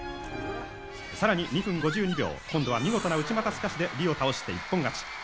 さらに２分５２秒、今度は見事な内股すかしで倒して一本勝ち。